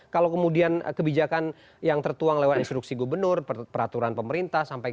kalau kemudian kebijakan yang tertuang lewat instruksi gubernur peraturan pemerintah